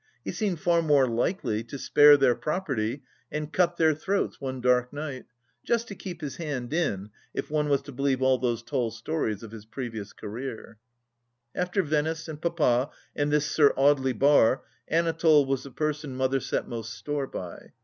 He seemed far more likely to spare their property and cut their throats one dark night, just to keep his hand in, if one was to believe all those tall stories of his previous career I After Venice, and Papa, and this Sir Audely Bar, Anatole was the person Mother set most store by.